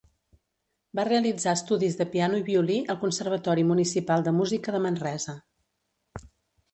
Va realitzar estudis de piano i violí al Conservatori Municipal de Música de Manresa.